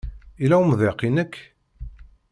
Yella umḍiq i nekk?